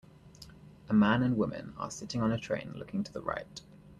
A man and woman are sitting on a train looking to the right.